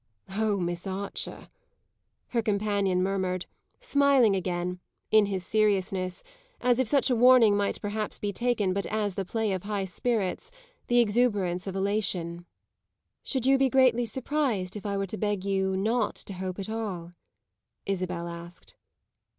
"Oh Miss Archer!" her companion murmured, smiling again, in his seriousness, as if such a warning might perhaps be taken but as the play of high spirits, the exuberance of elation. "Should you be greatly surprised if I were to beg you not to hope at all?" Isabel asked.